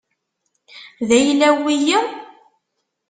D ayla-w wiyi?